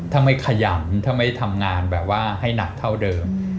ถ้าไม่ขยันถ้าไม่ทำงานแบบว่าให้หนักเท่าเดิม